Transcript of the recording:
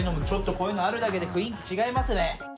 ちょっとこういうのあるだけで雰囲気違いますね。